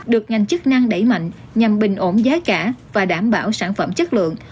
được ngành chức năng đẩy mạnh nhằm bình ổn giá cả và đảm bảo sản phẩm chất lượng